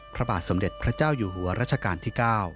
พระบาทสมเด็จพระเจ้าอยู่หัวรัชกาลที่๙